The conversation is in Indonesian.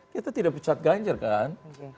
kita tidak pecat ganjar kan